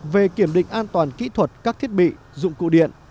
về kiểm định an toàn kỹ thuật các thiết bị dụng cụ điện